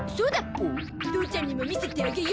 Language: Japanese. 父ちゃんにも見せてあげよ。